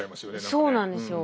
そうなんですよ。